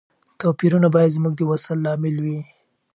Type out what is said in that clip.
توپیرونه باید زموږ د وصل لامل وي.